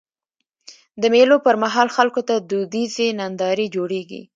د مېلو پر مهال خلکو ته دودیزي نندارې جوړيږي.